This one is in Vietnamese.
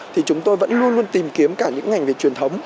thì chúng tôi vẫn luôn luôn tìm kiếm cả những ngành về truyền thống